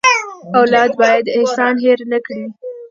اولاد باید احسان هېر نه کړي.